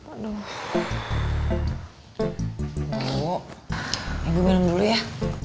aduh gue dulu ya